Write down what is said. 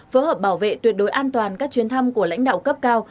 phối hợp bảo vệ tuyệt đối an toàn các chuyến thăm của lãnh đạo cấp cao